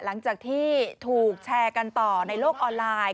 หลังจากที่ถูกแชร์กันต่อในโลกออนไลน์